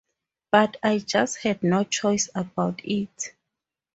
But I just had no choice about it.